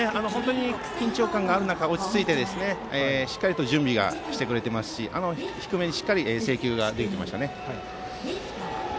緊張感がある中落ち着いて、しっかりと準備はしてくれていますし低めにしっかり制球できていましたね。